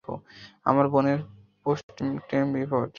আমার বোনের postmortem report?